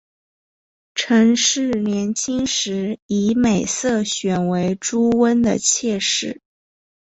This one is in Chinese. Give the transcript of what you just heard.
陈氏年轻时以美色选为朱温的妾室。